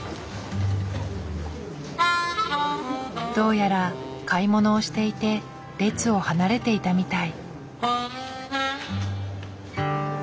どうやら買い物をしていて列を離れていたみたい。